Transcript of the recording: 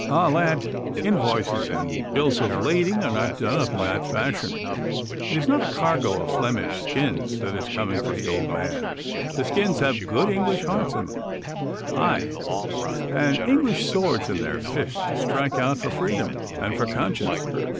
Ah, lad, invoices and bills of lading are not done up in that fashion. It is not a cargo of Flemish skins that is coming for the old man. The skins have good English hearts in them; ay, and English swords in their fists to strike out for freedom and for conscience.